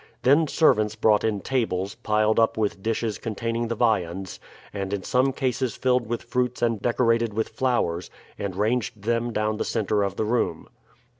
Then servants brought in tables, piled up with dishes containing the viands, and in some cases filled with fruits and decorated with flowers, and ranged them down the center of the room.